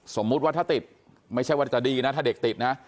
สมมุติว่าถ้าติดไม่ใช่ว่าจะดีนะถ้าเด็กติดนะ